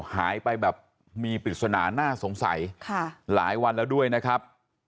หายไปแบบมีปริศนาน่าสงสัยหลายวันแล้วด้วยนะครับ